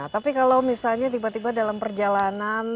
tapi kalau misalnya tiba tiba dalam perjalanan tidak sesuai